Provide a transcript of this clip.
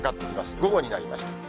午後になりました。